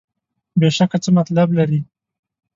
بېشکه څه مطلب لري.